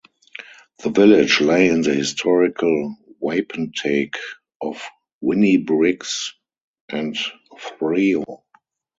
The village lay in the historical wapentake of Winnibriggs and Threo.